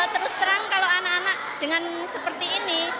terus terang kalau anak anak dengan seperti ini